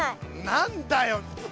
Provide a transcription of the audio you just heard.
何だよ。